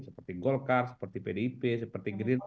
seperti golkar seperti pdip seperti gerindra